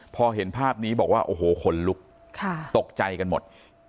พอเห็นภาพนี้บอกว่าโอ้โหขนลุกตกใจกันหมด